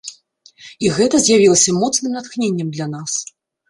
І гэта з'явілася моцным натхненнем для нас!